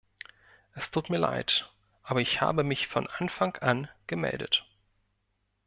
Es tut mir leid, aber ich habe mich von Anfang an gemeldet.